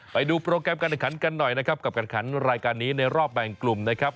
ไปดูโปรแกรมการแข่งขันกันหน่อยนะครับกับการขันรายการนี้ในรอบแบ่งกลุ่มนะครับ